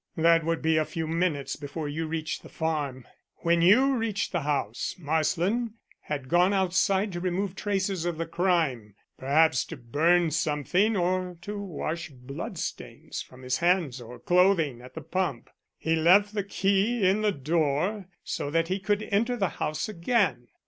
That would be a few minutes before you reached the farm. When you reached the house Marsland had gone outside to remove traces of the crime perhaps to burn something or to wash blood stains from his hands or clothing at the pump. He left the key in the door so that he could enter the house again.